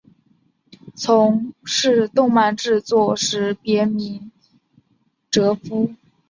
从事动画制作时别名哲夫。